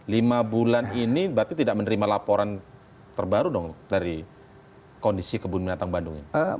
lima bulan ini berarti tidak menerima laporan terbaru dong dari kondisi kebun binatang bandung ini